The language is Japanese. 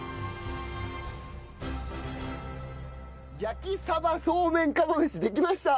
焼鯖そうめん釜飯できました。